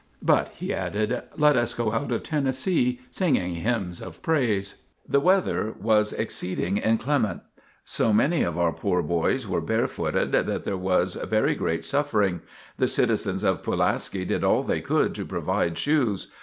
But," he added, "let us go out of Tennessee, singing hymns of praise." The weather was exceeding inclement. So many of our poor boys were barefooted that there was very great suffering. The citizens of Pulaski did all they could to provide shoes.